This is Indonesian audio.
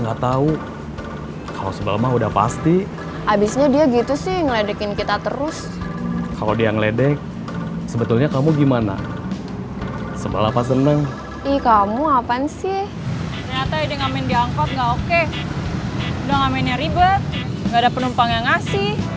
gak oke udah ngamennya ribet gak ada penumpang yang ngasih